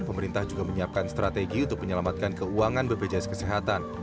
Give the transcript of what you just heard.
pemerintah juga menyiapkan strategi untuk menyelamatkan keuangan bpjs kesehatan